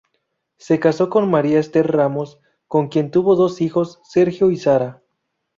Se casó con María Esther Ramos con quien tuvo dos hijos: Sergio y Sara.